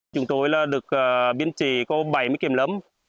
chúng tôi là được biên trì có bảy mươi kiểm lâm